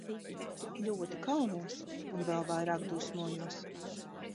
Ļoti kaunos un vēl vairāk dusmojos!